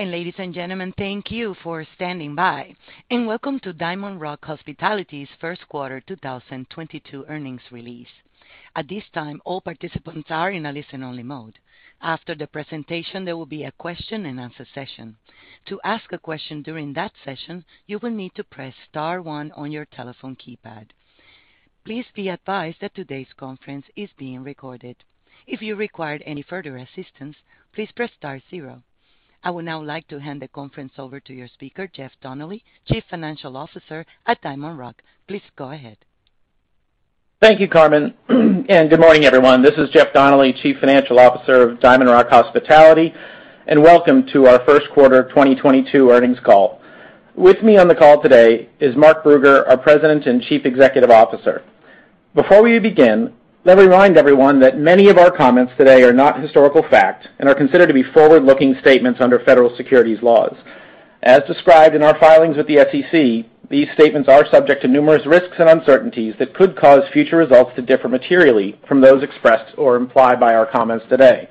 Ladies and gentlemen, thank you for standing by, and welcome to DiamondRock Hospitality's first quarter 2022 earnings release. At this time, all participants are in a listen-only mode. After the presentation, there will be a question and answer session. To ask a question during that session, you will need to press star one on your telephone keypad. Please be advised that today's conference is being recorded. If you require any further assistance, please press star zero. I would now like to hand the conference over to your speaker, Jeff Donnelly, Chief Financial Officer at DiamondRock. Please go ahead. Thank you, Carmen. Good morning, everyone. This is Jeff Donnelly, Chief Financial Officer of DiamondRock Hospitality. Welcome to our first quarter 2022 earnings call. With me on the call today is Mark Brugger, our President and Chief Executive Officer. Before we begin, let me remind everyone that many of our comments today are not historical facts and are considered to be forward-looking statements under federal securities laws. As described in our filings with the SEC, these statements are subject to numerous risks and uncertainties that could cause future results to differ materially from those expressed or implied by our comments today.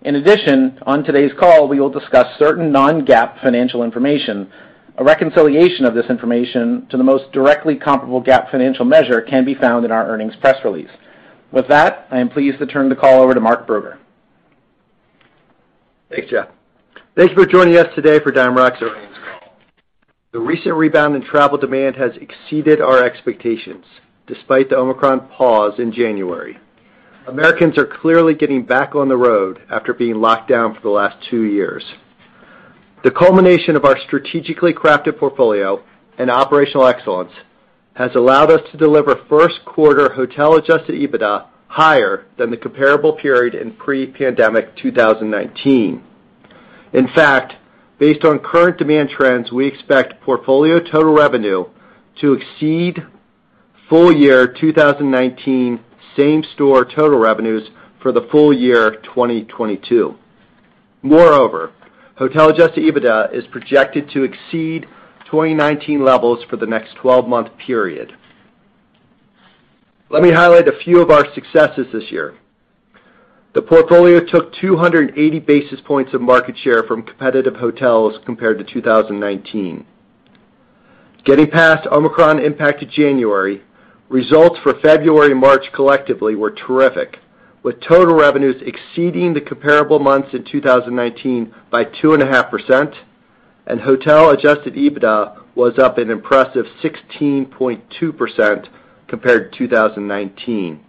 In addition, on today's call, we will discuss certain non-GAAP financial information. A reconciliation of this information to the most directly comparable GAAP financial measure can be found in our earnings press release. With that, I am pleased to turn the call over to Mark Brugger. Thanks, Jeff. Thanks for joining us today for DiamondRock's earnings call. The recent rebound in travel demand has exceeded our expectations, despite the Omicron pause in January. Americans are clearly getting back on the road after being locked down for the last two years. The culmination of our strategically crafted portfolio and operational excellence has allowed us to deliver first quarter Hotel Adjusted EBITDA higher than the comparable period in pre-pandemic 2019. In fact, based on current demand trends, we expect portfolio total revenue to exceed full year 2019 same store total revenues for the full year 2022. Moreover, Hotel Adjusted EBITDA is projected to exceed 2019 levels for the next 12-month period. Let me highlight a few of our successes this year. The portfolio took 280 basis points of market share from competitive hotels compared to 2019. Getting past Omicron impacted January, results for February and March collectively were terrific, with total revenues exceeding the comparable months in 2019 by 2.5%, and Hotel Adjusted EBITDA was up an impressive 16.2% compared to 2019.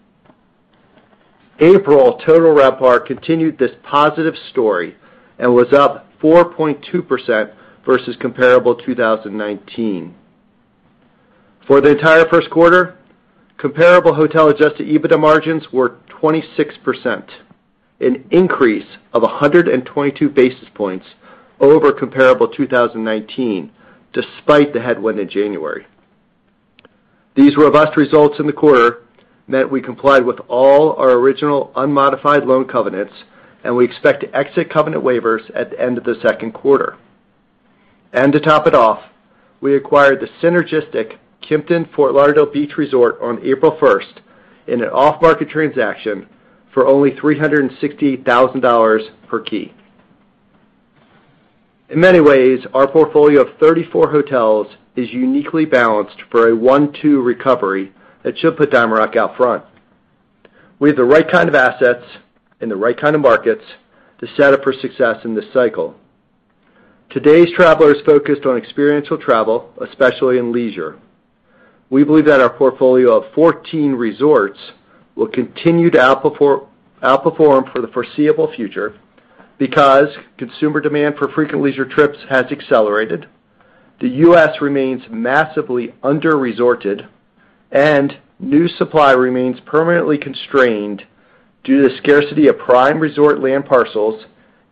April total RevPAR continued this positive story and was up 4.2% versus comparable 2019. For the entire first quarter, comparable Hotel Adjusted EBITDA margins were 26%, an increase of 122 basis points over comparable 2019, despite the headwind in January. These robust results in the quarter meant we complied with all our original unmodified loan covenants, and we expect to exit covenant waivers at the end of the second quarter. To top it off, we acquired the synergistic Kimpton Fort Lauderdale Beach Resort on April first in an off-market transaction for only $360,000 per key. In many ways, our portfolio of 34 hotels is uniquely balanced for a 1-2 recovery that should put DiamondRock out front. We have the right kind of assets in the right kind of markets to set up for success in this cycle. Today's traveler is focused on experiential travel, especially in leisure. We believe that our portfolio of 14 resorts will continue to outperform for the foreseeable future because consumer demand for frequent leisure trips has accelerated. The U.S. remains massively under-resorted, and new supply remains permanently constrained due to scarcity of prime resort land parcels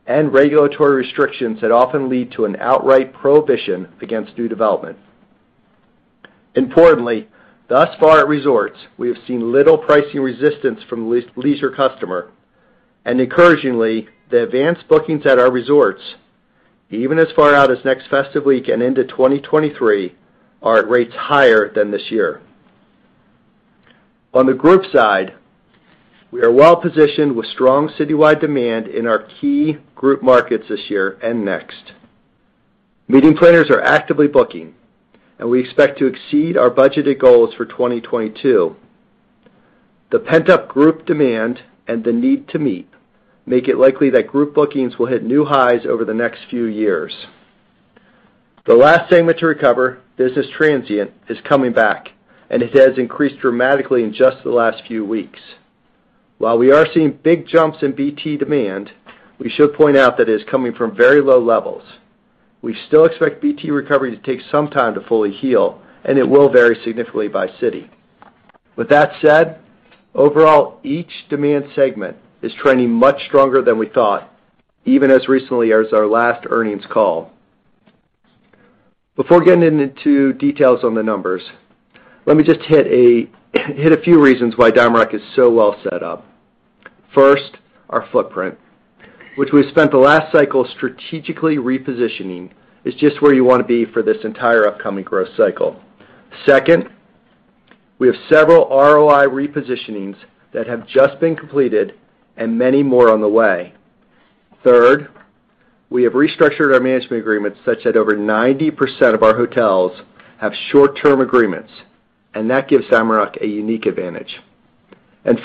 and regulatory restrictions that often lead to an outright prohibition against new development. Importantly, thus far at resorts, we have seen little pricing resistance from leisure customer. Encouragingly, the advanced bookings at our resorts, even as far out as next festive week and into 2023, are at rates higher than this year. On the group side, we are well positioned with strong citywide demand in our key group markets this year and next. Meeting planners are actively booking, and we expect to exceed our budgeted goals for 2022. The pent-up group demand and the need to meet make it likely that group bookings will hit new highs over the next few years. The last segment to recover, business transient, is coming back, and it has increased dramatically in just the last few weeks. While we are seeing big jumps in BT demand, we should point out that it is coming from very low levels. We still expect BT recovery to take some time to fully heal, and it will vary significantly by city. With that said, overall, each demand segment is trending much stronger than we thought, even as recently as our last earnings call. Before getting into details on the numbers, let me just hit a few reasons why DiamondRock is so well set up. First, our footprint, which we spent the last cycle strategically repositioning, is just where you wanna be for this entire upcoming growth cycle. Second, we have several ROI repositionings that have just been completed and many more on the way. Third, we have restructured our management agreements such that over 90% of our hotels have short-term agreements, and that gives DiamondRock a unique advantage.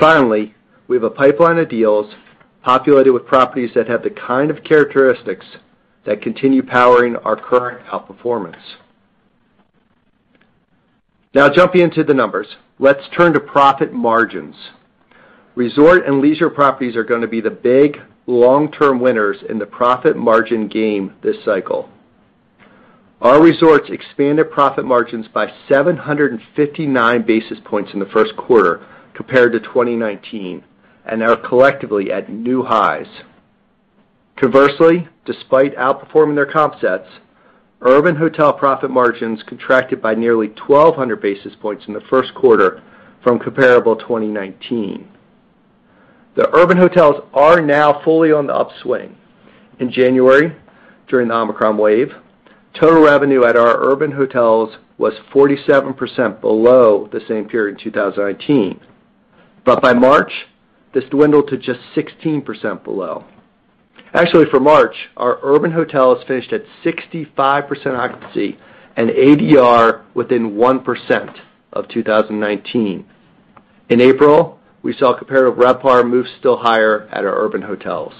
Finally, we have a pipeline of deals populated with properties that have the kind of characteristics that continue powering our current outperformance. Now jumping into the numbers. Let's turn to profit margins. Resort and leisure properties are gonna be the big long-term winners in the profit margin game this cycle. Our resorts expanded profit margins by 759 basis points in the first quarter compared to 2019, and are collectively at new highs. Conversely, despite outperforming their comp sets, urban hotel profit margins contracted by nearly 1,200 basis points in the first quarter from comparable 2019. The urban hotels are now fully on the upswing. In January, during the Omicron wave, total revenue at our urban hotels was 47% below the same period in 2018. By March, this dwindled to just 16% below. Actually, for March, our urban hotels finished at 65% occupancy and ADR within 1% of 2019. In April, we saw comparative RevPAR move still higher at our urban hotels.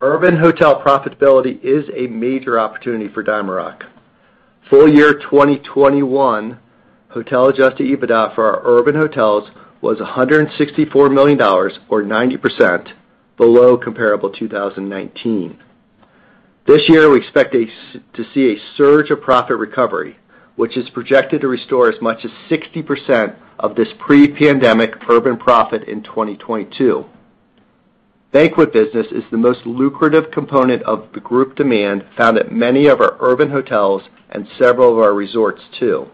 Urban hotel profitability is a major opportunity for DiamondRock. Full year 2021 Hotel Adjusted EBITDA for our urban hotels was $164 million or 90% below comparable 2019. This year, we expect to see a surge of profit recovery, which is projected to restore as much as 60% of this pre-pandemic urban profit in 2022. Banquet business is the most lucrative component of the group demand found at many of our urban hotels and several of our resorts too.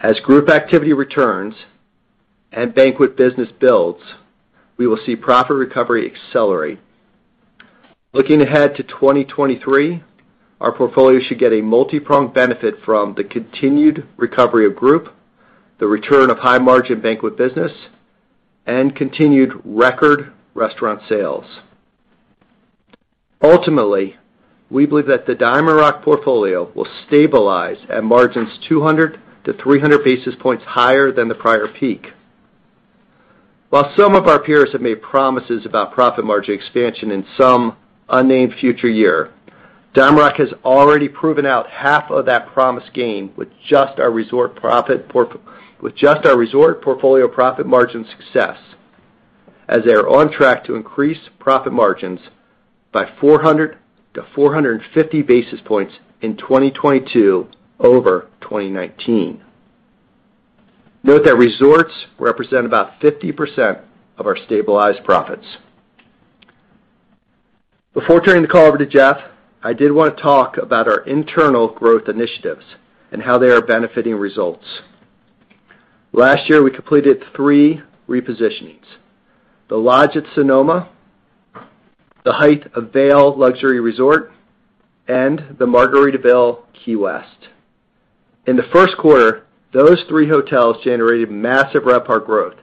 As group activity returns and banquet business builds, we will see profit recovery accelerate. Looking ahead to 2023, our portfolio should get a multipronged benefit from the continued recovery of group, the return of high-margin banquet business, and continued record restaurant sales. Ultimately, we believe that the DiamondRock portfolio will stabilize at margins 200 basis points-300 basis points higher than the prior peak. While some of our peers have made promises about profit margin expansion in some unnamed future year, DiamondRock has already proven out half of that promised gain with just our resort portfolio profit margin success, as they are on track to increase profit margins by 400 basis points-450 basis points in 2022 over 2019. Note that resorts represent about 50% of our stabilized profits. Before turning the call over to Jeff, I did wanna talk about our internal growth initiatives and how they are benefiting results. Last year, we completed three repositionings, The Lodge at Sonoma, The Hythe, a Vail Luxury Resort, and the Margaritaville Key West. In the first quarter, those three hotels generated massive RevPAR growth,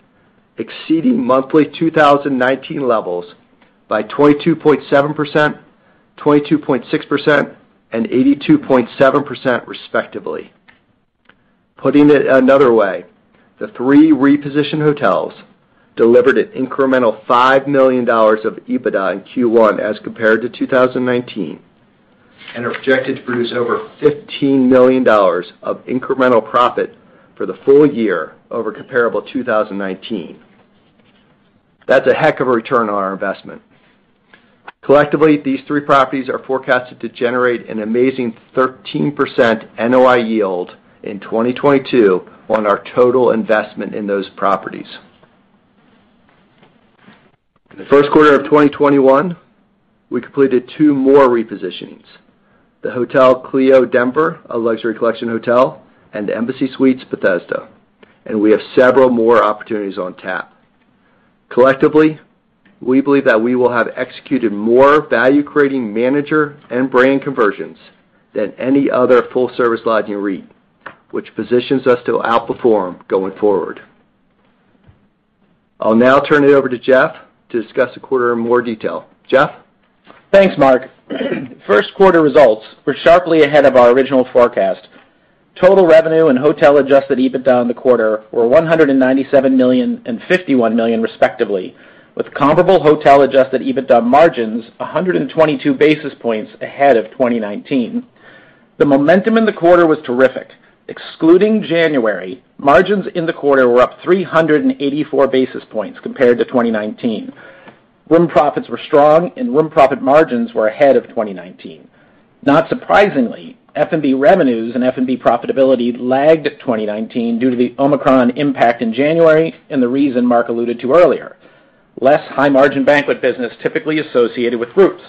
exceeding monthly 2019 levels by 22.7%, 22.6%, and 82.7% respectively. Putting it another way, the three repositioned hotels delivered an incremental $5 million of EBITDA in Q1 as compared to 2019, and are projected to produce over $15 million of incremental profit for the full year over comparable 2019. That's a heck of a return on our investment. Collectively, these three properties are forecasted to generate an amazing 13% NOI yield in 2022 on our total investment in those properties. In the first quarter of 2021, we completed two more repositionings, the Hotel Clio, a Luxury Collection Hotel, Denver Cherry Creek, and the Embassy Suites by Hilton Bethesda, and we have several more opportunities on tap. Collectively, we believe that we will have executed more value-creating manager and brand conversions than any other full-service lodging REIT, which positions us to outperform going forward. I'll now turn it over to Jeff to discuss the quarter in more detail. Jeff? Thanks, Mark. First quarter results were sharply ahead of our original forecast. Total revenue and hotel-adjusted EBITDA in the quarter were $197 million and $51 million respectively, with comparable hotel-adjusted EBITDA margins 122 basis points ahead of 2019. The momentum in the quarter was terrific. Excluding January, margins in the quarter were up 384 basis points compared to 2019. Room profits were strong, and room profit margins were ahead of 2019. Not surprisingly, F&B revenues and F&B profitability lagged 2019 due to the Omicron impact in January and the reason Mark alluded to earlier, less high-margin banquet business typically associated with groups.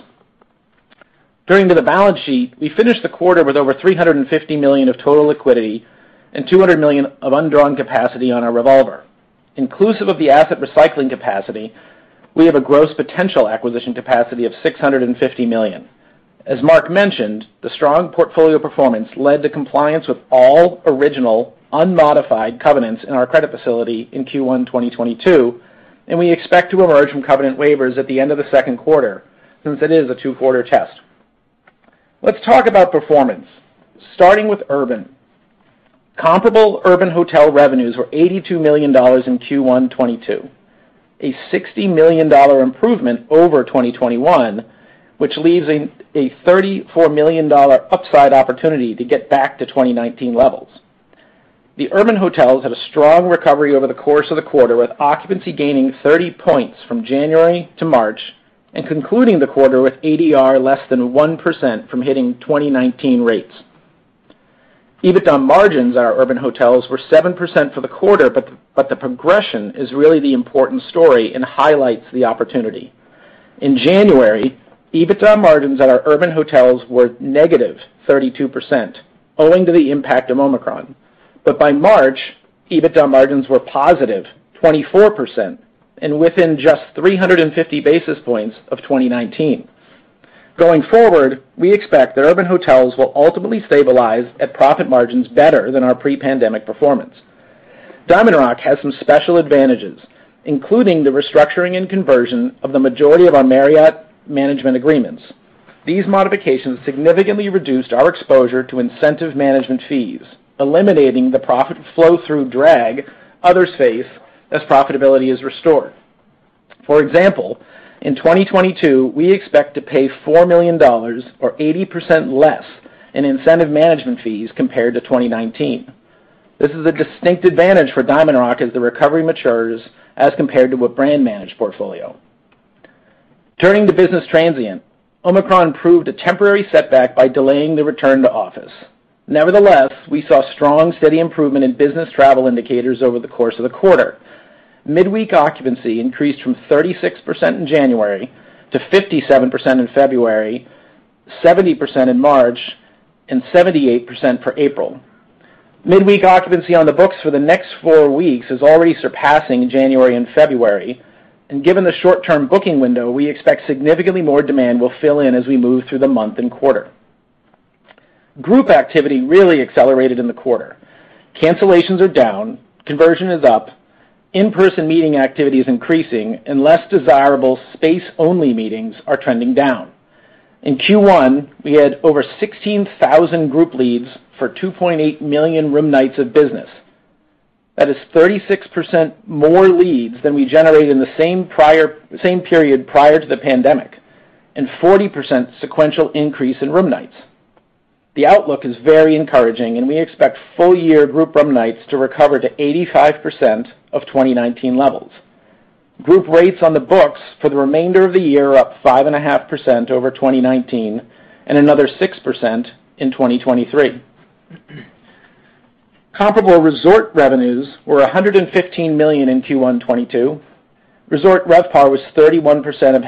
Turning to the balance sheet, we finished the quarter with over $350 million of total liquidity and $200 million of undrawn capacity on our revolver. Inclusive of the asset recycling capacity, we have a gross potential acquisition capacity of $650 million. As Mark mentioned, the strong portfolio performance led to compliance with all original unmodified covenants in our credit facility in Q1 2022, and we expect to emerge from covenant waivers at the end of the second quarter since it is a two-quarter test. Let's talk about performance, starting with urban. Comparable urban hotel revenues were $82 million in Q1 2022, a $60 million improvement over 2021, which leaves a $34 million upside opportunity to get back to 2019 levels. The urban hotels had a strong recovery over the course of the quarter, with occupancy gaining 30 points from January to March and concluding the quarter with ADR less than 1% from hitting 2019 rates. EBITDA margins at our urban hotels were 7% for the quarter, but the progression is really the important story and highlights the opportunity. In January, EBITDA margins at our urban hotels were -32%, owing to the impact of Omicron. By March, EBITDA margins were +24% and within just 350 basis points of 2019. Going forward, we expect that urban hotels will ultimately stabilize at profit margins better than our pre-pandemic performance. DiamondRock has some special advantages, including the restructuring and conversion of the majority of our Marriott management agreements. These modifications significantly reduced our exposure to incentive management fees, eliminating the profit flow-through drag others face as profitability is restored. For example, in 2022, we expect to pay $4 million or 80% less in incentive management fees compared to 2019. This is a distinct advantage for DiamondRock as the recovery matures as compared to a brand managed portfolio. Turning to business transient, Omicron proved a temporary setback by delaying the return to office. Nevertheless, we saw strong, steady improvement in business travel indicators over the course of the quarter. Midweek occupancy increased from 36% in January to 57% in February, 70% in March, and 78% for April. Midweek occupancy on the books for the next four weeks is already surpassing January and February, and given the short-term booking window, we expect significantly more demand will fill in as we move through the month and quarter. Group activity really accelerated in the quarter. Cancellations are down, conversion is up, in-person meeting activity is increasing, and less desirable space-only meetings are trending down. In Q1, we had over 16,000 group leads for 2.8 million room nights of business. That is 36% more leads than we generated in the same period prior to the pandemic, and 40% sequential increase in room nights. The outlook is very encouraging, and we expect full-year group room nights to recover to 85% of 2019 levels. Group rates on the books for the remainder of the year are up 5.5% over 2019 and another 6% in 2023. Comparable resort revenues were $115 million in Q1 2022. Resort RevPAR was 31%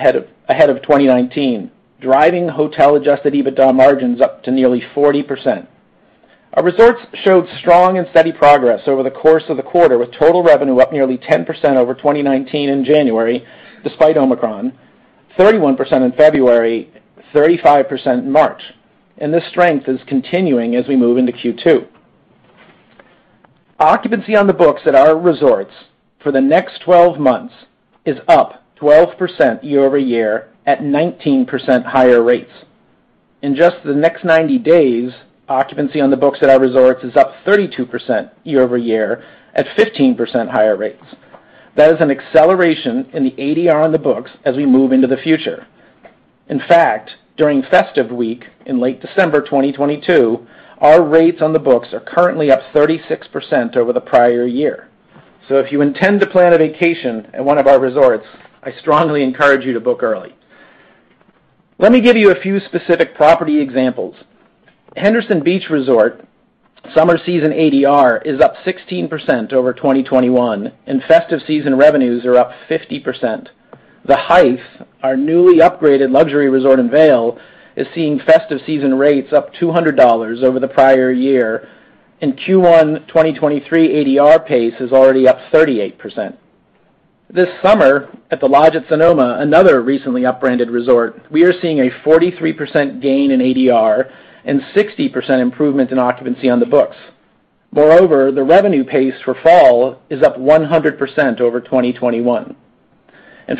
ahead of 2019, driving Hotel Adjusted EBITDA margins up to nearly 40%. Our resorts showed strong and steady progress over the course of the quarter, with total revenue up nearly 10% over 2019 in January, despite Omicron, 31% in February, 35% in March. This strength is continuing as we move into Q2. Occupancy on the books at our resorts for the next 12 months is up 12% year-over-year at 19% higher rates. In just the next 90 days, occupancy on the books at our resorts is up 32% year-over-year at 15% higher rates. That is an acceleration in the ADR on the books as we move into the future. In fact, during festive week in late December 2022, our rates on the books are currently up 36% over the prior year. If you intend to plan a vacation at one of our resorts, I strongly encourage you to book early. Let me give you a few specific property examples. Henderson Beach Resort summer season ADR is up 16% over 2021, and festive season revenues are up 50%. The Hythe, our newly upgraded luxury resort in Vail, is seeing festive season rates up $200 over the prior year. In Q1 2023, ADR pace is already up 38%. This summer, at the Lodge at Sonoma, another recently upbranded resort, we are seeing a 43% gain in ADR and 60% improvement in occupancy on the books. Moreover, the revenue pace for fall is up 100% over 2021.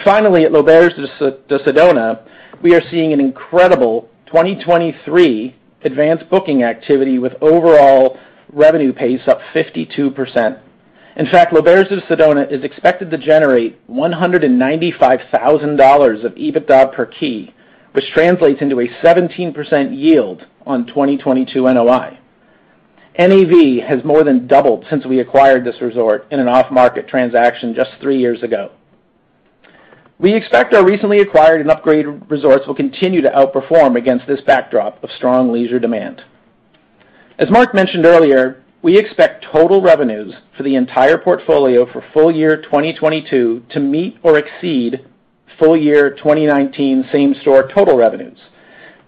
Finally, at L'Auberge de Sedona, we are seeing an incredible 2023 advanced booking activity with overall revenue pace up 52%. In fact, L'Auberge de Sedona is expected to generate $195,000 of EBITDA per key, which translates into a 17% yield on 2022 NOI. NAV has more than doubled since we acquired this resort in an off-market transaction just three years ago. We expect our recently acquired and upgraded resorts will continue to outperform against this backdrop of strong leisure demand. As Mark mentioned earlier, we expect total revenues for the entire portfolio for full year 2022 to meet or exceed full year 2019 same store total revenues.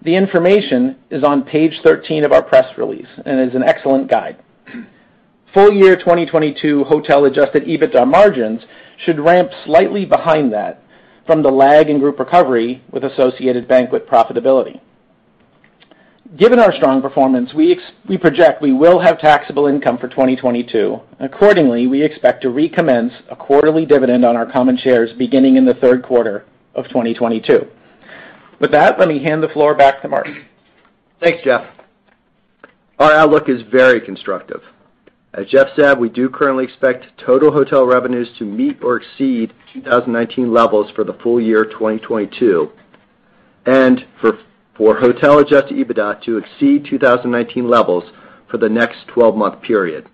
The information is on page 13 of our press release and is an excellent guide. Full year 2022 hotel adjusted EBITDA margins should ramp slightly behind that from the lag in group recovery with associated banquet profitability. Given our strong performance, we project we will have taxable income for 2022. Accordingly, we expect to recommence a quarterly dividend on our common shares beginning in the third quarter of 2022. With that, let me hand the floor back to Mark. Thanks, Jeff. Our outlook is very constructive. As Jeff said, we do currently expect total hotel revenues to meet or exceed 2019 levels for the full year 2022, and for Hotel Adjusted EBITDA to exceed 2019 levels for the next twelve-month period.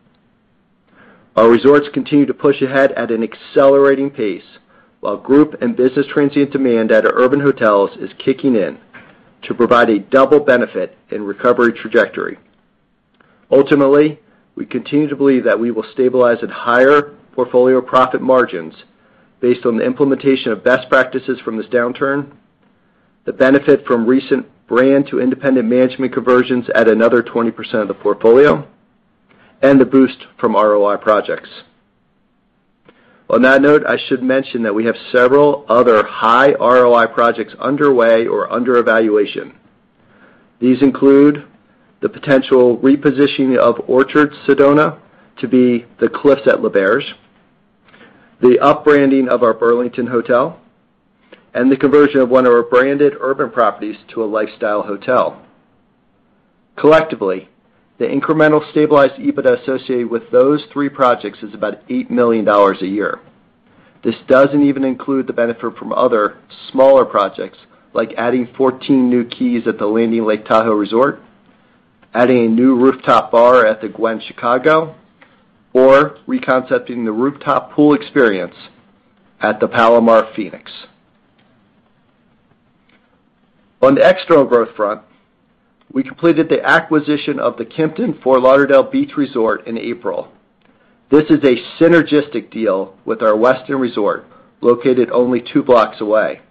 Our resorts continue to push ahead at an accelerating pace while group and business transient demand at our urban hotels is kicking in to provide a double benefit in recovery trajectory. Ultimately, we continue to believe that we will stabilize at higher portfolio profit margins based on the implementation of best practices from this downturn, the benefit from recent brand to independent management conversions at another 20% of the portfolio, and the boost from ROI projects. On that note, I should mention that we have several other high ROI projects underway or under evaluation. These include the potential repositioning of Orchards Inn Sedona to be the Cliffs at L'Auberge, the up-branding of our Burlington hotel, and the conversion of one of our branded urban properties to a lifestyle hotel. Collectively, the incremental stabilized EBITDA associated with those three projects is about $8 million a year. This doesn't even include the benefit from other smaller projects like adding 14 new keys at the Landing Lake Tahoe Resort, adding a new rooftop bar at the Gwen Chicago, or re-concepting the rooftop pool experience at the Palomar Phoenix. On the external growth front, we completed the acquisition of the Kimpton Fort Lauderdale Beach Resort in April. This is a synergistic deal with our Westin resort located only two blocks away.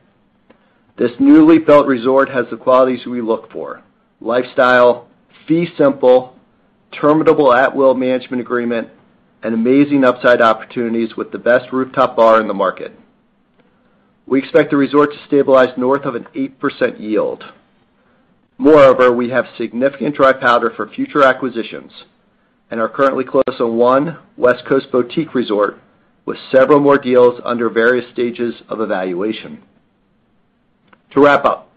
This newly built resort has the qualities we look for, lifestyle, fee simple, terminable at will management agreement, and amazing upside opportunities with the best rooftop bar in the market. We expect the resort to stabilize north of 8% yield. Moreover, we have significant dry powder for future acquisitions and are currently close on one West Coast boutique resort with several more deals under various stages of evaluation. To wrap up,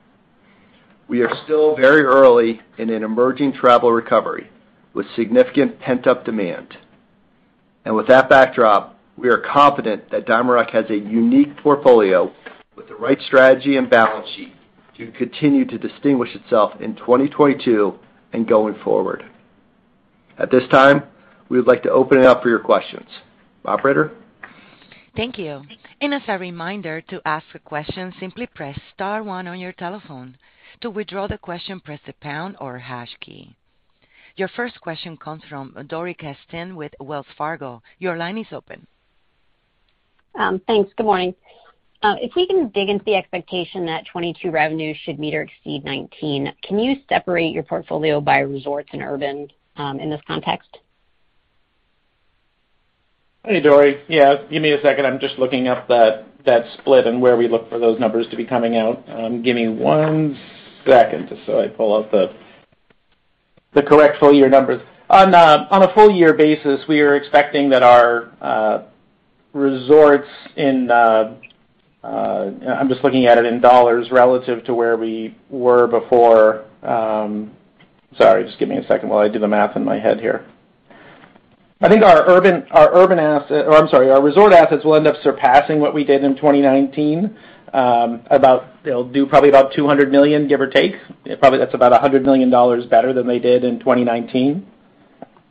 we are still very early in an emerging travel recovery with significant pent-up demand. With that backdrop, we are confident that DiamondRock has a unique portfolio with the right strategy and balance sheet to continue to distinguish itself in 2022 and going forward. At this time, we would like to open it up for your questions. Operator? Thank you. As a reminder, to ask a question, simply press star one on your telephone. To withdraw the question, press the pound or hash key. Your first question comes from Dori Kesten with Wells Fargo. Your line is open. Thanks. Good morning. If we can dig into the expectation that 2022 revenues should meet or exceed 2019, can you separate your portfolio by resorts and urban, in this context? Hey, Dori. Yeah, give me a second. I'm just looking up that split and where we look for those numbers to be coming out. Give me one second just so I pull up the correct full year numbers. On a full year basis, we are expecting that our resorts. I'm just looking at it in dollars relative to where we were before. Sorry, just give me a second while I do the math in my head here. I think our urban asset, or I'm sorry, our resort assets will end up surpassing what we did in 2019. They'll do probably about $200 million, give or take. Probably that's about $100 million better than they did in 2019.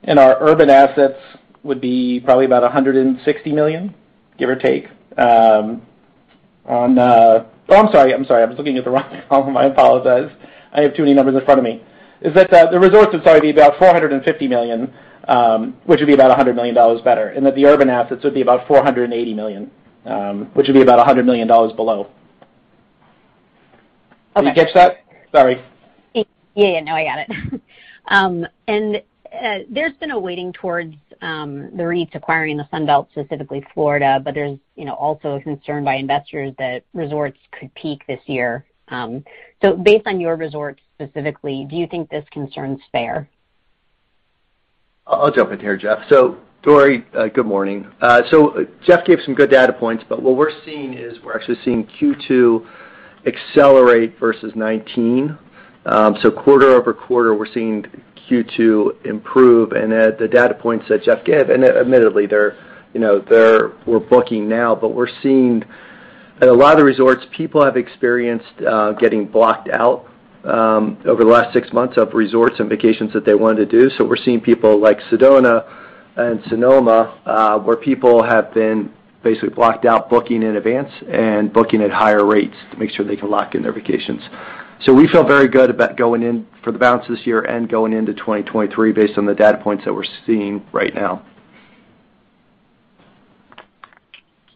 Our urban assets would be probably about $160 million, give or take. I'm sorry. I was looking at the wrong column. I apologize. I have too many numbers in front of me. The resorts would, sorry, be about $450 million, which would be about $100 million better, and that the urban assets would be about $480 million, which would be about $100 million below. Okay. Did you catch that? Sorry. Yeah, yeah. No, I got it. There's been a weighting towards the REITs acquiring the Sun Belt, specifically Florida, but there's, you know, also a concern by investors that resorts could peak this year. Based on your resorts specifically, do you think this concern's fair? I'll jump in here, Jeff. Dori, good morning. Jeff gave some good data points, but what we're seeing is we're actually seeing Q2 accelerate versus 2019. Quarter-over-quarter, we're seeing Q2 improve. At the data points that Jeff gave, admittedly, they're, you know, we're booking now, but we're seeing at a lot of the resorts, people have experienced getting blocked out over the last six months of resorts and vacations that they wanted to do. We're seeing people like Sedona and Sonoma, where people have been basically blocked out booking in advance and booking at higher rates to make sure they can lock in their vacations. We feel very good about going in for the balance of this year and going into 2023 based on the data points that we're seeing right now.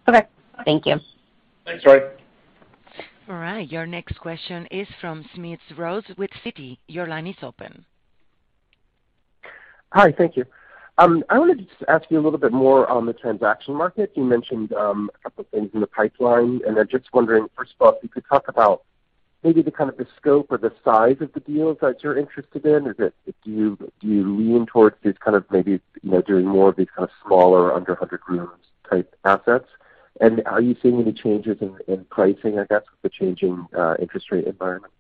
Okay. Thank you. Thanks. Bye. All right. Your next question is from Smedes Rose with Citi. Your line is open. Hi. Thank you. I wanted to just ask you a little bit more on the transaction market. You mentioned a couple things in the pipeline, and I'm just wondering, first of all, if you could talk about maybe the kind of the scope or the size of the deals that you're interested in. Do you lean towards these kind of maybe, you know, doing more of these kind of smaller under 100 rooms type assets? Are you seeing any changes in pricing, I guess, with the changing interest rate environment?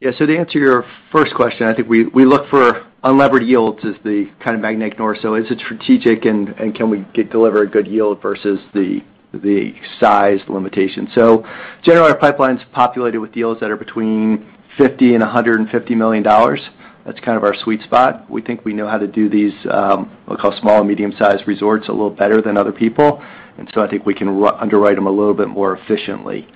Yeah. To answer your first question, I think we look for unlevered yields as the kind of magnetic north. Is it strategic and can we deliver a good yield versus the size limitation? Generally, our pipeline's populated with deals that are between $50 million-$150 million. That's kind of our sweet spot. We think we know how to do these what we call small and medium-sized resorts a little better than other people. I think we can underwrite them a little bit more efficiently.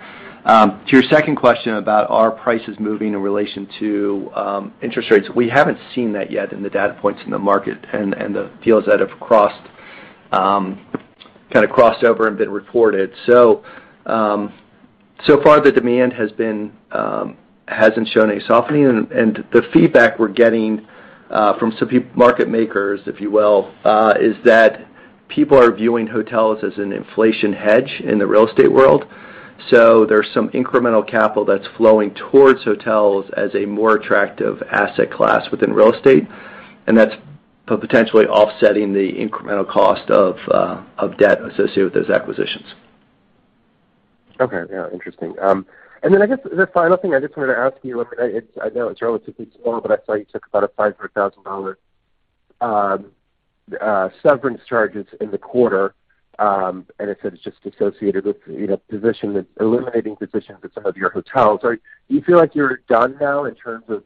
To your second question about are prices moving in relation to interest rates, we haven't seen that yet in the data points in the market and the deals that have crossed kind of crossed over and been reported. So far, the demand hasn't shown any softening. The feedback we're getting from some market makers, if you will, is that people are viewing hotels as an inflation hedge in the real estate world. There's some incremental capital that's flowing towards hotels as a more attractive asset class within real estate, and that's potentially offsetting the incremental cost of debt associated with those acquisitions. Okay. Yeah, interesting. I guess the final thing I just wanted to ask you. I know it's relatively small, but I saw you took about a $500,000 severance charges in the quarter. It said it's just associated with, you know, eliminating positions at some of your hotels. Do you feel like you're done now in terms of,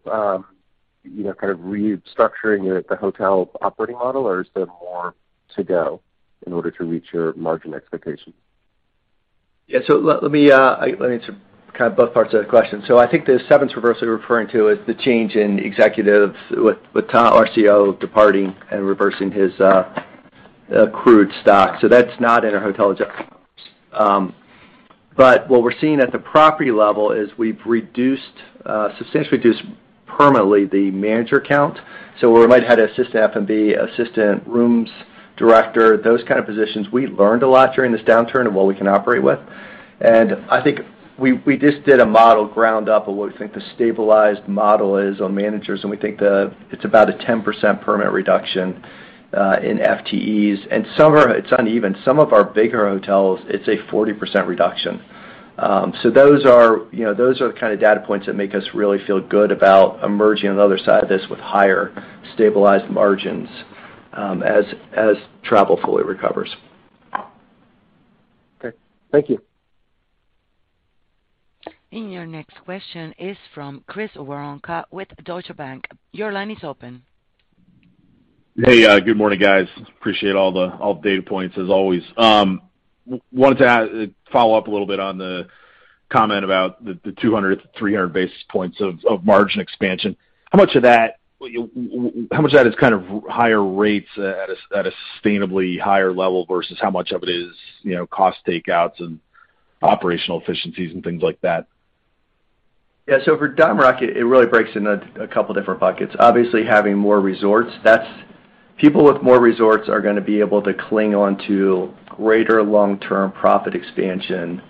you know, kind of restructuring the hotel operating model, or is there more to go in order to reach your margin expectations? Yeah. Let me answer kind of both parts of the question. I think the severance you're referring to is the change in executives with Tom, our COO departing and reversing his accrued stock. That's not in our Hotel Adjusted EBITDA. But what we're seeing at the property level is we've substantially reduced permanently the manager count. Where we might have had assistant F&B, assistant rooms director, those kind of positions, we learned a lot during this downturn of what we can operate with. I think we just did a model ground up of what we think the stabilized model is on managers, and we think it's about a 10% permanent reduction in FTEs. It's uneven. Some of our bigger hotels, it's a 40% reduction. Those are the kind of data points that make us really feel good about emerging on the other side of this with higher stabilized margins, as travel fully recovers. Okay. Thank you. Your next question is from Chris Woronka with Deutsche Bank. Your line is open. Hey. Good morning, guys. Appreciate all the data points as always. Wanted to follow up a little bit on the comment about the 200 basis points-300 basis points of margin expansion. How much of that is kind of higher rates at a sustainably higher level versus how much of it is, you know, cost takeouts and operational efficiencies and things like that? Yeah. For DiamondRock, it really breaks into a couple different buckets. Obviously, having more resorts, that's people with more resorts are gonna be able to cling on to greater long-term profit expansion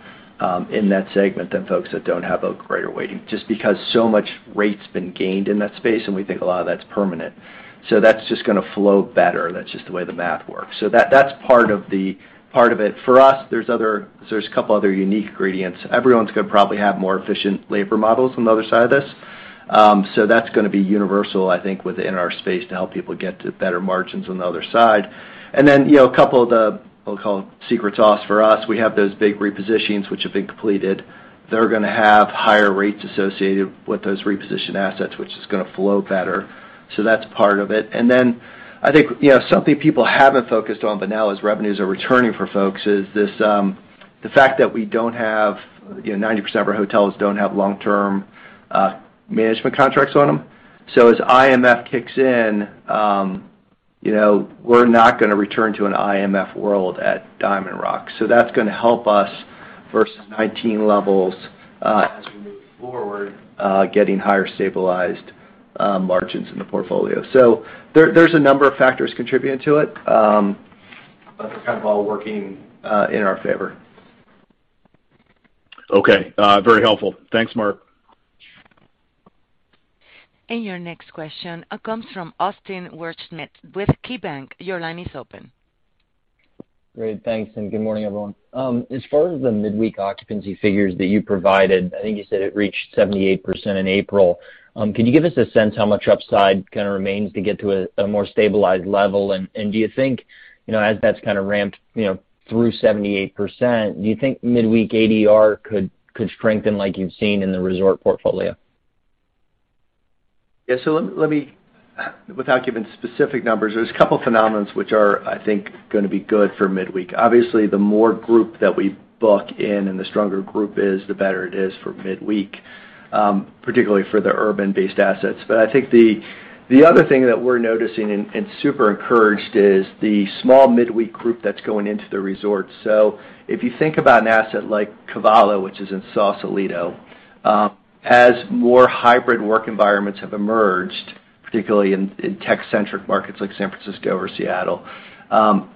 in that segment than folks that don't have a greater weighting, just because so much rate's been gained in that space, and we think a lot of that's permanent. That's just gonna flow better. That's just the way the math works. That's part of it. For us, there's a couple other unique gradients. Everyone's gonna probably have more efficient labor models on the other side of this. That's gonna be universal, I think, within our space to help people get to better margins on the other side. You know, a couple of the, we'll call secret sauce for us, we have those big repositions which have been completed. They're gonna have higher rates associated with those reposition assets, which is gonna flow better. That's part of it. I think, you know, something people haven't focused on but now as revenues are returning for folks is this, the fact that we don't have, you know, 90% of our hotels don't have long-term management contracts on them. As IMF kicks in, you know, we're not gonna return to an IMF world at DiamondRock. That's gonna help us versus 2019 levels, as we move forward, getting higher stabilized margins in the portfolio. There, there's a number of factors contributing to it, but they're kind of all working in our favor. Okay. Very helpful. Thanks, Mark. Your next question comes from Austin Wurschmidt with KeyBanc. Your line is open. Great. Thanks, and good morning, everyone. As far as the midweek occupancy figures that you provided, I think you said it reached 78% in April. Can you give us a sense how much upside kind of remains to get to a more stabilized level? And do you think, you know, as that's kind of ramped, you know, through 78%, do you think midweek ADR could strengthen like you've seen in the resort portfolio? Without giving specific numbers, there are a couple phenomena which are, I think, gonna be good for midweek. Obviously, the more group that we book in and the stronger group is, the better it is for midweek, particularly for the urban-based assets. I think the other thing that we're noticing and super encouraged is the small midweek group that's going into the resort. If you think about an asset like Cavallo, which is in Sausalito, as more hybrid work environments have emerged, particularly in tech-centric markets like San Francisco or Seattle,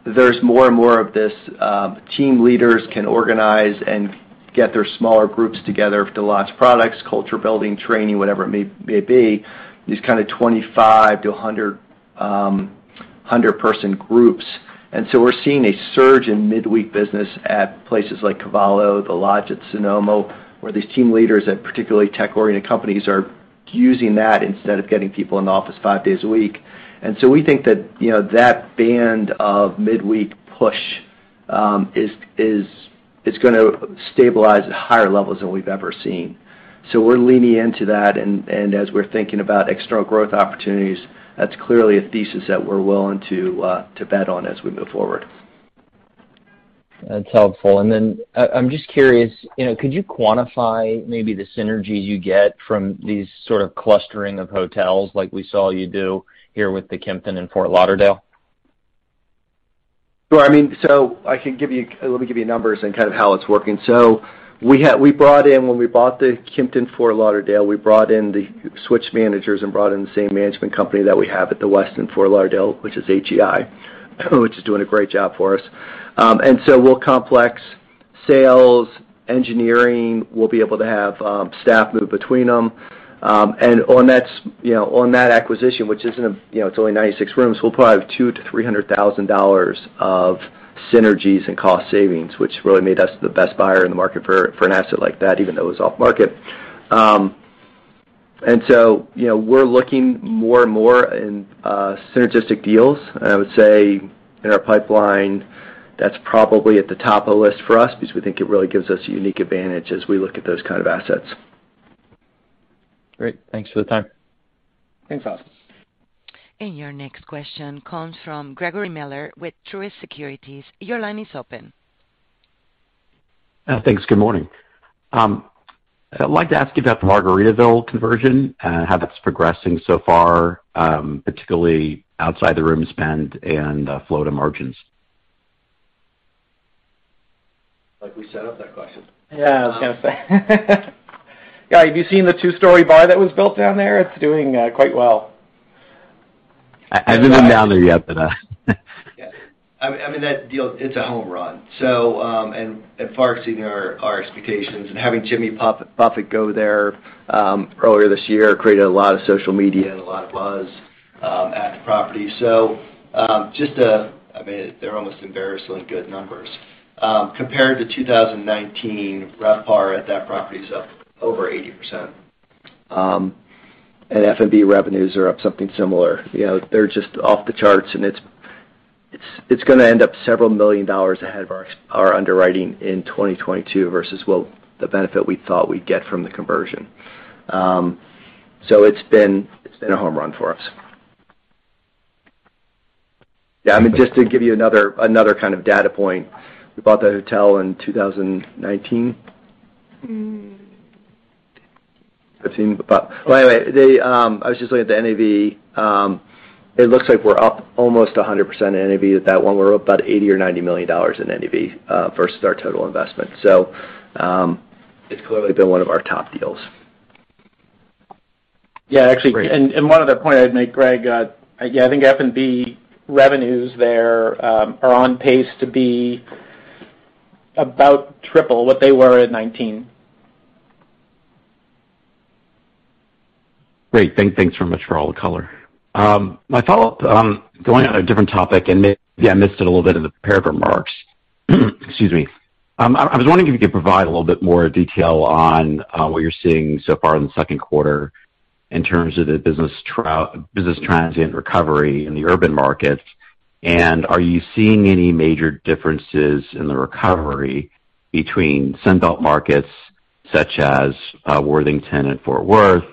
there's more and more of this. Team leaders can organize and get their smaller groups together to launch products, culture building, training, whatever it may be, these kind of 25-100 person groups. We're seeing a surge in midweek business at places like Cavallo, the Lodge at Sonoma, where these team leaders at particularly tech-oriented companies are using that instead of getting people in the office five days a week. We think that, you know, that band of midweek push, it's gonna stabilize at higher levels than we've ever seen. We're leaning into that, and as we're thinking about external growth opportunities, that's clearly a thesis that we're willing to bet on as we move forward. That's helpful. I'm just curious, you know, could you quantify maybe the synergies you get from these sort of clustering of hotels like we saw you do here with the Kimpton in Fort Lauderdale? Sure. I mean, so I can give you. Let me give you numbers and kind of how it's working. When we bought the Kimpton Fort Lauderdale, we brought in the switch managers and brought in the same management company that we have at the Westin Fort Lauderdale, which is HEI, which is doing a great job for us. We'll cross-complex sales, engineering, we'll be able to have staff move between them. On that, you know, on that acquisition, which, you know, is only 96 rooms, we'll probably have $200,000-$300,000 of synergies and cost savings, which really made us the best buyer in the market for an asset like that, even though it was off market. You know, we're looking more and more in synergistic deals. I would say in our pipeline, that's probably at the top of the list for us because we think it really gives us a unique advantage as we look at those kind of assets. Great. Thanks for the time. Thanks, Austin. Your next question comes from Gregory Miller with Truist Securities. Your line is open. Thanks. Good morning. I'd like to ask you about the Margaritaville conversion, how that's progressing so far, particularly outside the room spend and flow to margins. Like we set up that question. Yeah, I was gonna say. Yeah. Have you seen the two-story bar that was built down there? It's doing quite well. I haven't been down there yet, but. Yeah. I mean, that deal, it's a home run and far exceeding our expectations and having Jimmy Buffett go there earlier this year created a lot of social media and a lot of buzz at the property. I mean, they're almost embarrassingly good numbers. Compared to 2019, RevPAR at that property is up over 80%. And F&B revenues are up something similar. You know, they're just off the charts, and it's gonna end up several million dollars ahead of our underwriting in 2022 versus the benefit we thought we'd get from the conversion. It's been a home run for us. Yeah, I mean, just to give you another kind of data point. We bought that hotel in 2019. I was just looking at the NAV. It looks like we're up almost 100% NAV at that one. We're up about $80 million or $90 million in NAV versus our total investment. It's clearly been one of our top deals. Yeah, actually. Great. One other point I'd make, Greg, yeah, I think F&B revenues there are on pace to be about triple what they were at 2019. Great. Thanks very much for all the color. My follow-up, going on a different topic, may have missed it a little bit in the prepared remarks. Excuse me. I was wondering if you could provide a little bit more detail on what you're seeing so far in the second quarter in terms of the business transient recovery in the urban markets. Are you seeing any major differences in the recovery between Sun Belt markets such as Worthington and Fort Worth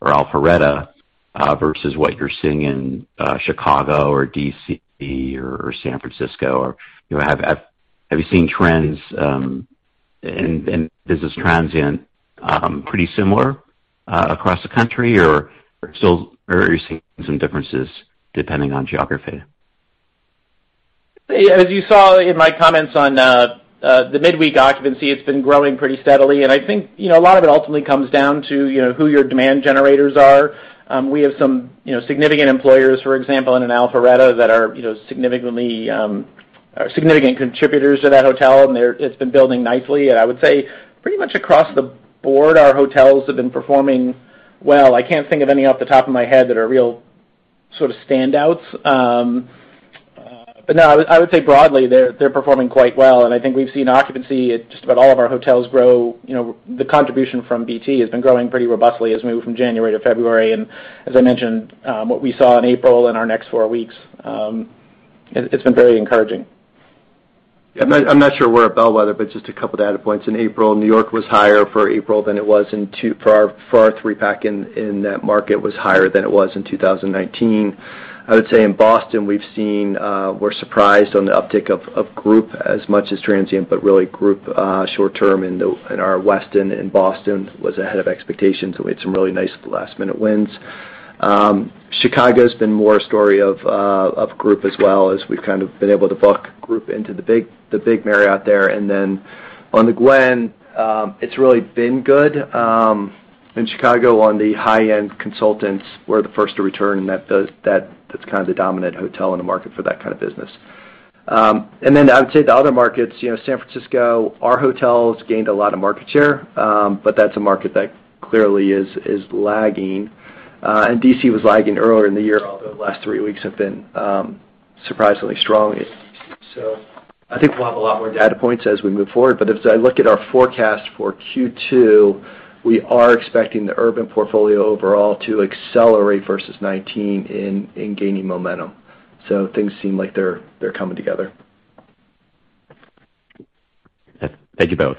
or Alpharetta versus what you're seeing in Chicago or D.C. or San Francisco? You know, have you seen trends in business transient pretty similar across the country or are you seeing some differences depending on geography? As you saw in my comments on the midweek occupancy, it's been growing pretty steadily. I think, you know, a lot of it ultimately comes down to, you know, who your demand generators are. We have some, you know, significant employers, for example, in Alpharetta that are, you know, significant contributors to that hotel, and it's been building nicely. I would say pretty much across the board, our hotels have been performing well. I can't think of any off the top of my head that are real sort of standouts. No, I would say broadly, they're performing quite well, and I think we've seen occupancy at just about all of our hotels grow. You know, the contribution from BT has been growing pretty robustly as we move from January to February. As I mentioned, what we saw in April and our next four weeks, it's been very encouraging. Yeah. I'm not sure we're a bellwether, but just a couple of data points. In April, our three-pack in that market was higher than it was in 2019. I would say in Boston, we've seen. We're surprised on the uptick of group as much as transient, but really group short-term in our Westin in Boston was ahead of expectations, and we had some really nice last-minute wins. Chicago's been more a story of group as well as we've kind of been able to book group into the big Marriott there. Then on The Gwen, it's really been good. In Chicago, on the high-end consultants, we're the first to return, and that's kind of the dominant hotel in the market for that kind of business. I would say the other markets, you know, San Francisco, our hotels gained a lot of market share, but that's a market that clearly is lagging. D.C. was lagging earlier in the year, although the last three weeks have been surprisingly strong in D.C. I think we'll have a lot more data points as we move forward. As I look at our forecast for Q2, we are expecting the urban portfolio overall to accelerate versus 2019 in gaining momentum. Things seem like they're coming together. Thank you both.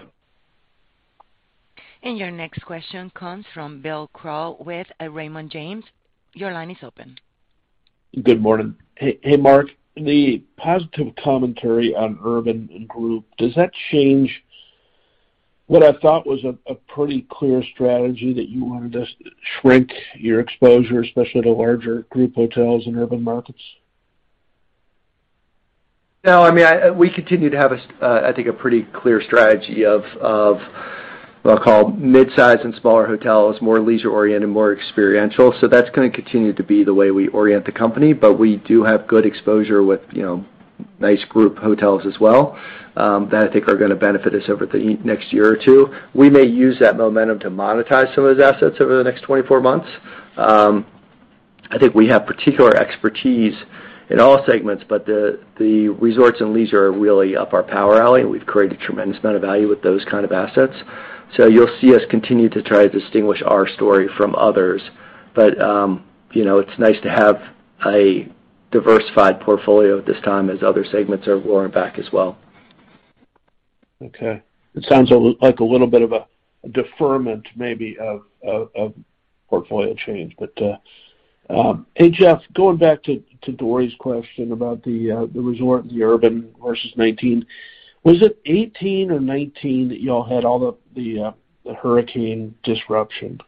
Your next question comes from Bill Crow with Raymond James. Your line is open. Good morning. Hey, Mark, the positive commentary on urban and group, does that change what I thought was a pretty clear strategy that you wanted to shrink your exposure, especially to larger group hotels in urban markets? No. I mean, we continue to have, I think, a pretty clear strategy of what I call midsize and smaller hotels, more leisure-oriented, more experiential. That's gonna continue to be the way we orient the company. We do have good exposure with, you know, nice group hotels as well, that I think are gonna benefit us over the next year or two. We may use that momentum to monetize some of those assets over the next 24 months. I think we have particular expertise in all segments, but the resorts and leisure are really up our alley, and we've created a tremendous amount of value with those kind of assets. You'll see us continue to try to distinguish our story from others. You know, it's nice to have a diversified portfolio at this time as other segments are roaring back as well. Okay. It sounds a little like a little bit of a deferment, maybe of portfolio change. Hey, Jeff, going back to Dori's question about the resort and the urban versus 2019, was it 2018 or 2019 that y'all had all the hurricane disruption?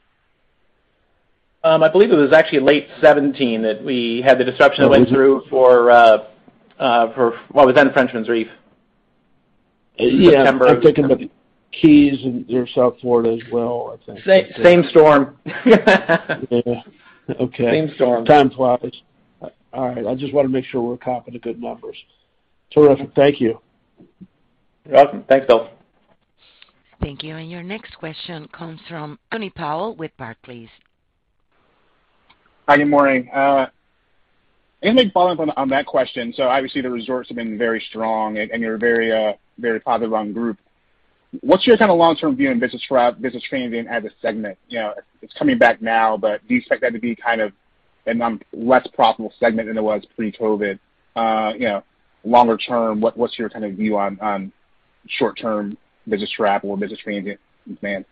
I believe it was actually late 2017 that we had the disruption that went through for what was then Frenchman's Reef. Yeah. In September of. I'm thinking about the Keys and South Florida as well, I think. Same storm. Yeah. Okay. Same storm. Time flies. All right. I just wanna make sure we're copying the good numbers. Terrific. Thank you. You're welcome. Thanks, Bill. Thank you. Your next question comes from Anthony Powell with Barclays. Hi, good morning. Anything to follow up on that question. Obviously, the resorts have been very strong and you're very positive on group. What's your kind of long-term view on business transient as a segment? You know, it's coming back now, but do you expect that to be kind of a less profitable segment than it was pre-COVID? You know, longer term, what's your kind of view on short-term business travel or business transient demand?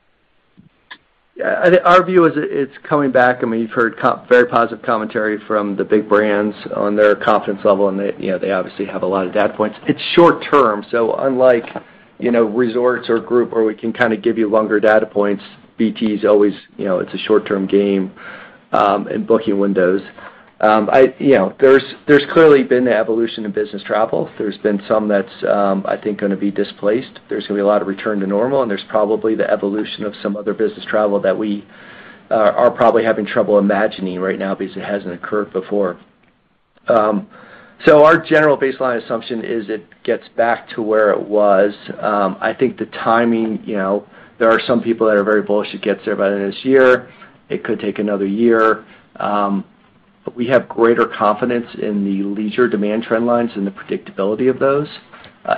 Yeah, I think our view is it's coming back. I mean, you've heard very positive commentary from the big brands on their confidence level, and they, you know, obviously have a lot of data points. It's short-term, so unlike, you know, resorts or group where we can kind of give you longer data points, BT is always, you know, it's a short-term game in booking windows. You know, there's clearly been the evolution of business travel. There's been some that's I think gonna be displaced. There's gonna be a lot of return to normal, and there's probably the evolution of some other business travel that we are probably having trouble imagining right now because it hasn't occurred before. Our general baseline assumption is it gets back to where it was. I think the timing, you know, there are some people that are very bullish, it gets there by the end of this year. It could take another year. We have greater confidence in the leisure demand trend lines and the predictability of those,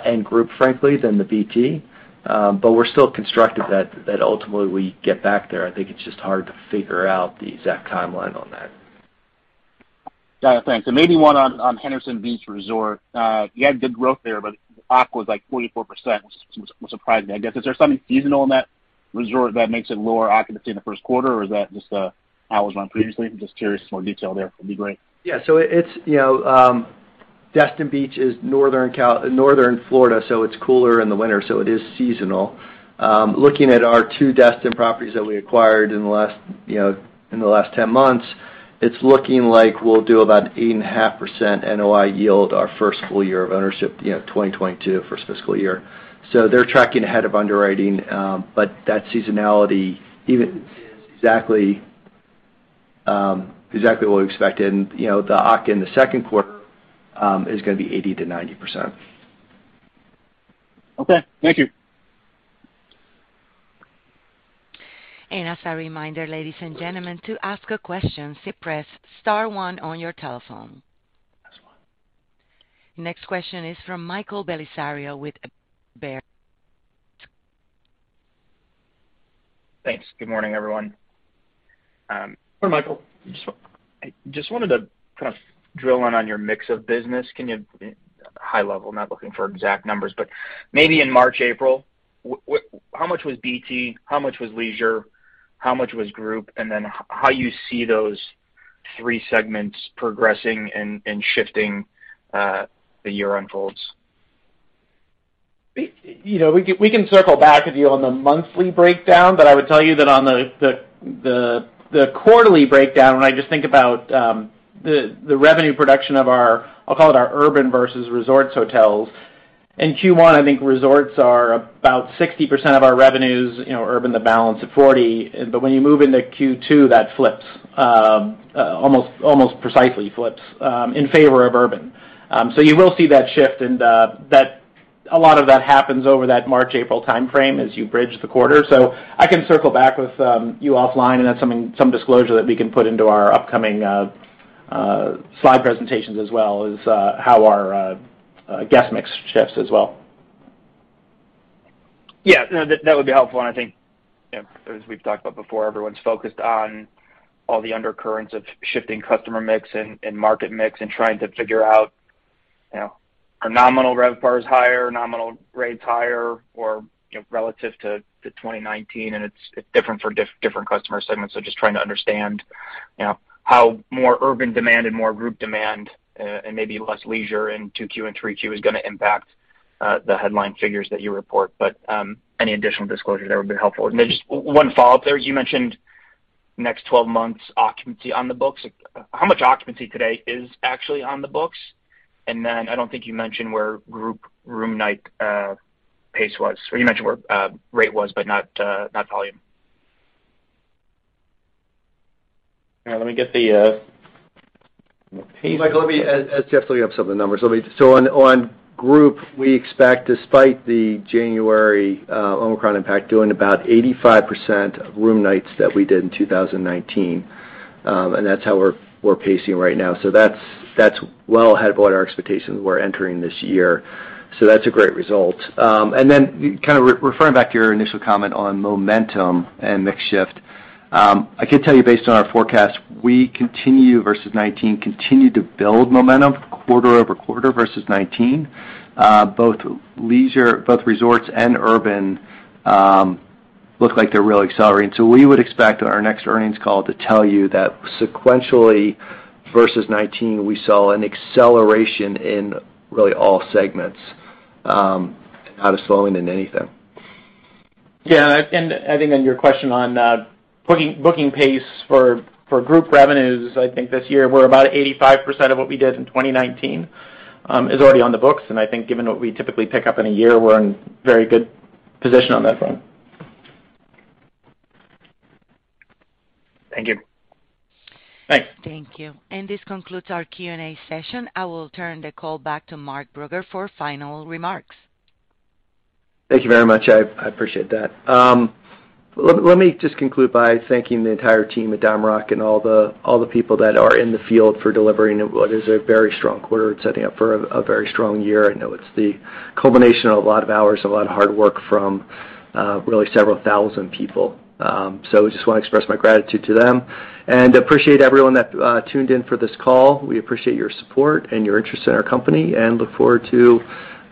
and group, frankly, than the BT. We're still convinced that ultimately we get back there. I think it's just hard to figure out the exact timeline on that. Got it. Thanks. Maybe one on Henderson Beach Resort. You had good growth there, but OCC was like 44%, which was surprising, I guess. Is there something seasonal in that resort that makes it lower occupancy in the first quarter, or is that just how it was run previously? I'm just curious if some more detail there would be great. Yeah. It's you know, Destin Beach is Northern Florida, so it's cooler in the winter, so it is seasonal. Looking at our two Destin properties that we acquired in the last you know, in the last 10 months, it's looking like we'll do about 8.5% NOI yield our first full year of ownership, you know, 2022, first fiscal year. They're tracking ahead of underwriting, but that seasonality even is exactly what we expected. You know, the OCC in the second quarter is gonna be 80%-90%. Okay. Thank you. As a reminder, ladies and gentlemen, to ask a question, simply press star one on your telephone. Next question is from Michael Bellisario with Baird. Thanks. Good morning, everyone. Good morning, Michael. Just wanted to kind of drill in on your mix of business. Can you, high level, not looking for exact numbers, but maybe in March, April, how much was BT? How much was leisure? How much was group? How you see those three segments progressing and shifting, the year unfolds? You know, we can circle back with you on the monthly breakdown, but I would tell you that on the quarterly breakdown, when I just think about the revenue production of our, I'll call it our urban versus resorts hotels. In Q1, I think resorts are about 60% of our revenues, you know, urban the balance at 40%. But when you move into Q2, that flips almost precisely in favor of urban. You will see that shift, and that a lot of that happens over that March, April timeframe as you bridge the quarter. I can circle back with you offline, and that's something, some disclosure that we can put into our upcoming slide presentations as well as how our guest mix shifts as well. Yeah, no, that would be helpful. I think, you know, as we've talked about before, everyone's focused on all the undercurrents of shifting customer mix and market mix and trying to figure out, you know, is nominal RevPAR higher, nominal rates higher or, you know, relative to 2019, and it's different for different customer segments. Just trying to understand, you know, how more urban demand and more group demand and maybe less leisure in 2Q and 3Q is gonna impact the headline figures that you report. Any additional disclosure there would be helpful. Then just one follow-up there, you mentioned next 12 months occupancy on the books. How much occupancy today is actually on the books? I don't think you mentioned where group room night pace was, or you mentioned where rate was, but not volume. Yeah, let me get the page. Michael, as Jeff still has some of the numbers. On group, we expect, despite the January Omicron impact, doing about 85% of room nights that we did in 2019. And that's how we're pacing right now. That's well ahead of what our expectations were entering this year. That's a great result. Then, referring back to your initial comment on momentum and mix shift, I can tell you based on our forecast, we continue versus 2019 to build momentum quarter-over-quarter versus 2019. Both leisure, resorts and urban look like they're really accelerating. We would expect on our next earnings call to tell you that sequentially versus 2019, we saw an acceleration in really all segments, not a slowing in anything. Yeah, and I think on your question on booking pace for group revenues, I think this year we're about 85% of what we did in 2019 is already on the books. I think given what we typically pick up in a year, we're in very good position on that front. Thank you. Thanks. Thank you. This concludes our Q&A session. I will turn the call back to Mark Brugger for final remarks. Thank you very much. I appreciate that. Let me just conclude by thanking the entire team at DiamondRock and all the people that are in the field for delivering what is a very strong quarter. It's setting up for a very strong year. I know it's the culmination of a lot of hours, a lot of hard work from really several thousand people. So I just wanna express my gratitude to them. Appreciate everyone that tuned in for this call. We appreciate your support and your interest in our company, and look forward to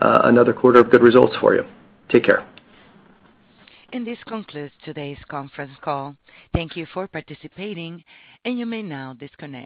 another quarter of good results for you. Take care. This concludes today's conference call. Thank you for participating, and you may now disconnect.